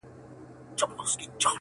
ما وتا بېل كړي سره-